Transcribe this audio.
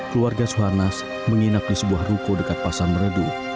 keluarga suharnas menginap di sebuah ruko dekat pasar meredu